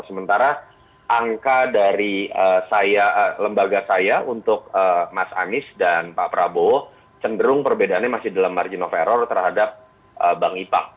sementara angka dari saya lembaga saya untuk mas anies dan pak prabowo cenderung perbedaannya masih dalam margin of error terhadap bang ipak